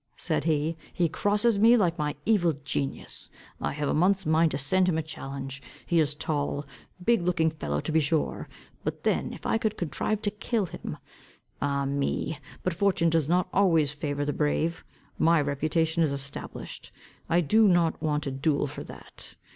said he, "he crosses me like my evil genius. I have a month's mind to send him a challenge. He is a tall, big looking fellow to be sure. But then if I could contrive to kill him. Ah, me! but fortune does not always favour the brave. My reputation is established. I do not want a duel for that.